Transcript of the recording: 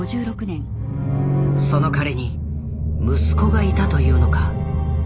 その彼に息子がいたというのか？